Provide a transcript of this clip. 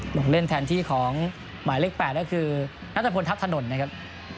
ลงเล่นแทนที่ของหมายเลข๘ก็คือนัทพลทัพถนนนะครับ